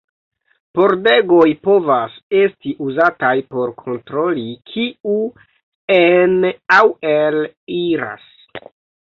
Pordegoj povas esti uzataj por kontroli kiu en- aŭ el-iras.